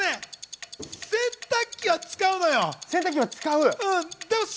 洗濯機は使うのよ。